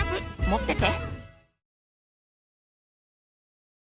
持ってて。